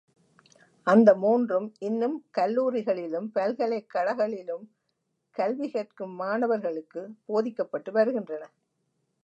அந்த மூன்றும் இன்னும் கல்லூரிகளிலும், பல்கலைக் கழகளிலும் கல்வி கற்கும் மாணவர்களுக்குப் போதிக்கப்பட்டு வருகின்றன.